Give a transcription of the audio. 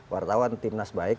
wartawan timnas baik